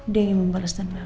dia ingin membalas dendam